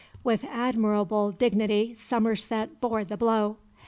With admirable dignity Somerset bore the blow.